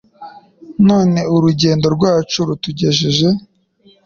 None urugendo rwacu rutugejeje